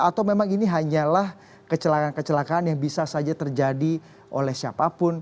atau memang ini hanyalah kecelakaan kecelakaan yang bisa saja terjadi oleh siapapun